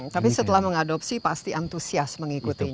tapi setelah mengadopsi pasti antusias mengikutinya